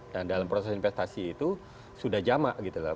dan dalam proses investasi itu sudah jamak gitu lah